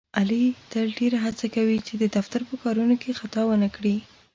علي تل ډېره هڅه کوي، چې د دفتر په کارونو کې خطا ونه کړي.